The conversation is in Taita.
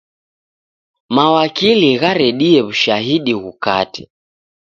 Mawakili gharedie w'ushahidi ghukate.